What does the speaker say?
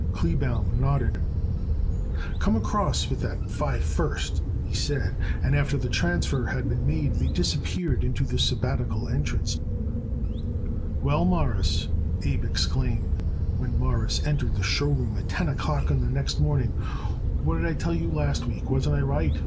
Kleebaum nodded. "Come across with that five first," he said, and after the transfer had been made they disappeared into the sabbatical entrance. "Well, Mawruss," Abe exclaimed when Morris entered the show room at ten o'clock the next morning. "What did I told you last week! Wasn't I right?"